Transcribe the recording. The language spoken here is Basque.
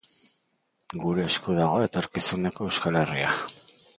Gure esku dago etorkizuneko Euskal Herria.